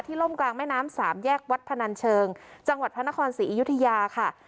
ล่มกลางแม่น้ำสามแยกวัดพนันเชิงจังหวัดพระนครศรีอยุธยาค่ะ